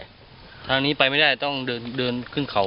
ทางนี้ไปไม่ได้ต้องเดินขึ้นเขา